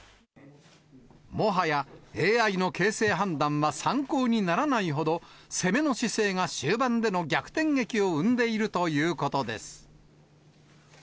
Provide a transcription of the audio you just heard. もはやＡＩの形勢判断は参考にならないほど、攻めの姿勢が終盤での逆転劇を生んでいるということです。